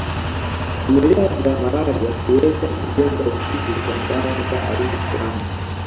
Vimelea vya malaria huweza hujenga usugu kwa dawa za aina fulani